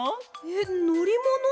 えっのりもの？